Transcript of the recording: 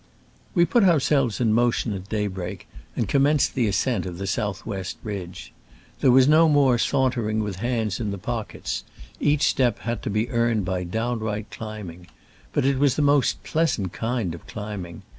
We put ourselves in motion at day break, and commenced the ascent of the south west ridge. There was no more sauntering with hands in the pockets • each step had to be earned by down right climbing. But it was the most pleasant kind of climbing.